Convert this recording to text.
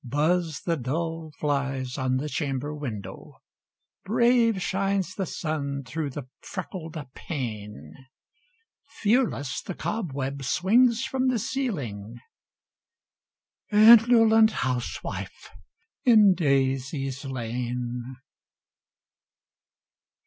Buzz the dull flies on the chamber window; Brave shines the sun through the freckled pane; Fearless the cobweb swings from the ceiling Indolent housewife, in daisies lain!